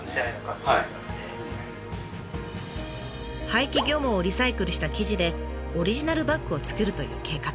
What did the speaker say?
廃棄漁網をリサイクルした生地でオリジナルバッグを作るという計画。